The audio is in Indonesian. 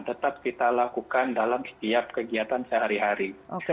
tetap kita lakukan dalam setiap kegiatan sehari hari